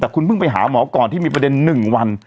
แต่คุณเพิ่งไปหาหมอก่อนที่มีประเด็น๑วัน